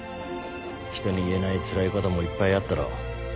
人に言えないつらいこともいっぱいあったろ。